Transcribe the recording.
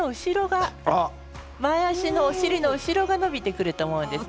お尻の後ろ側が伸びてくると思うんですね